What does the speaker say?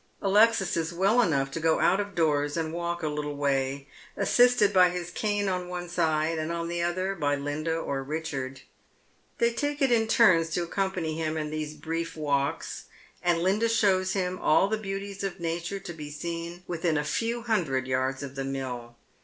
Alexis is well enough to go out of doors and walk a little way, assisted by his cane on one side, and on the other by Linda or Hicliard. They take it in turns to accompany him in these brief walks ; and Linda shows him all the beauties of nature to be seen within a few hundred yards of the mill.